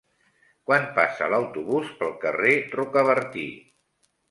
Quan passa l'autobús pel carrer Rocabertí?